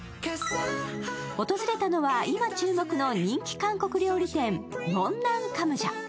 訪れたのは今注目の人気韓国料理店、モンナンカムジャ。